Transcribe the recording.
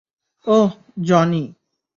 ওহ, Johnny.